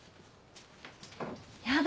やだ